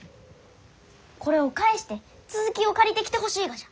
これを返して続きを借りてきてほしいがじゃ。